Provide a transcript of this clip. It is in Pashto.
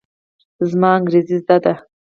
زما انګرېزي زده ده.